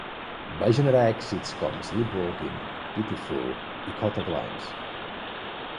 Va generar èxits com "Sleepwalking", "Pitiful" i "Caught a Glimpse".